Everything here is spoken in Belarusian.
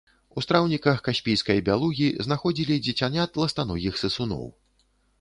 У страўніках каспійскай бялугі знаходзілі дзіцянят ластаногіх сысуноў.